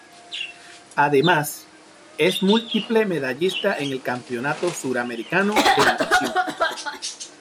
Además, es múltiple medallista en el Campeonato Sudamericano de Natación.